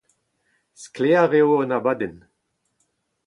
Sklaer eo hon abadenn.